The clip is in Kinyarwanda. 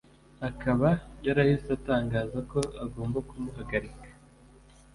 akaba yarahise atangaza ko agomba kumuhagarika